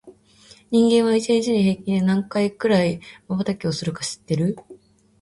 人間は、一日に平均で何回くらいまばたきをするか知ってる？